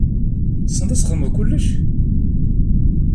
Tessneḍ ad txedmeḍ kullec?